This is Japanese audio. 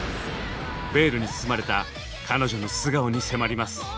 ベールに包まれた彼女の素顔に迫ります。